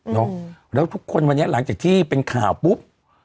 แล้วทุกคนวันนี้หลังจากที่เป็นข่าวปุ๊บ